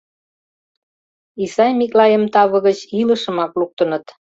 Исай Миклайым таве гыч илышымак луктыныт.